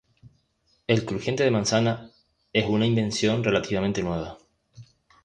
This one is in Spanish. El crujiente de manzana es una invención relativamente nueva.